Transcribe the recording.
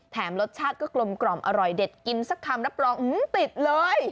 แถมรสชาติก็กลมกล่อมอร่อยเด็ดกินสักคำรับรองหือติดเลย